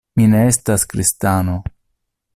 Mi ne estas kristano.